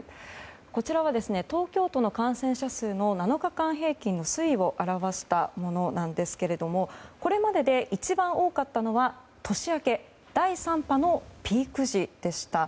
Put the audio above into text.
こちらは東京都の感染者数の７日間平均の推移を表したものなんですけれどもこれまでで一番多かったのは年明け第３波のピーク時でした。